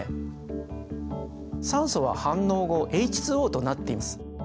酸素は反応後ＨＯとなっています。